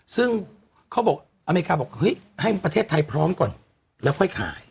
ซึ่งเขาบอกอเมริกาบอกเฮ้ยให้ประเทศไทยพร้อมก่อนแล้วค่อยขาย